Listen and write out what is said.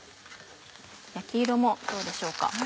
焼き色もどうでしょうか？